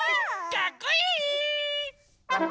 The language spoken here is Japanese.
かっこいい！